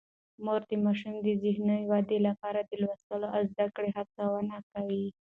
مور د ماشومانو د ذهني ودې لپاره د لوستلو او زده کړې هڅونه کوي.